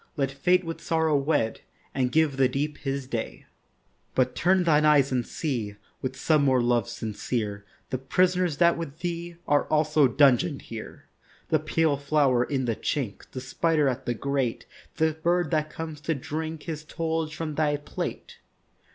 Let Fate with Sorrow wed And give the Deep his day; But turn thine eyes and see With some more love sincere The prisoners that with thee Are also dungeon'd here— The pale flower in the chink, The spider at the grate, The bird that comes to drink His tollage from thy plate.